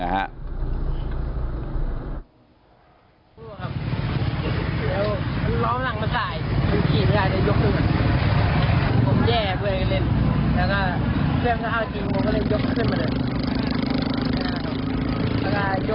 ก็เครื่องอย่างการข่าวตีนผมก็เลยยบขึ้นมาเลย